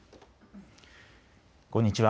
こんにちは。